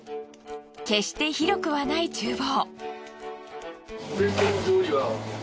決して広くはない厨房。